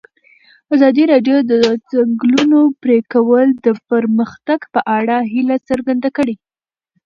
ازادي راډیو د د ځنګلونو پرېکول د پرمختګ په اړه هیله څرګنده کړې.